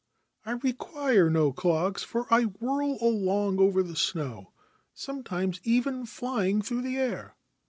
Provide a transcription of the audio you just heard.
I require no clogs ; for I whirl along over the snow, sometimes even flying through the air.